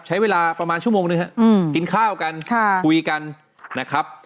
ใช้เวลาประมาณชั่วโมงหนึ่งครับกินข้าวกันคุยกันนะครับ